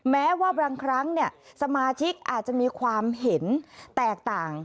แม้ว่าบางครั้งสมาชิกอาจจะมีความเห็นแตกต่าง